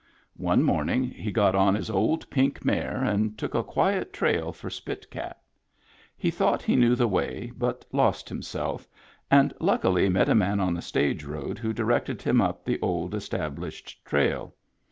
One morning he got on his old pink mare, and took a quiet trail for Spit Cat. He thought he knew the way, but lost him self, and luckily met a man on the stage road who directed him up the old, established trail.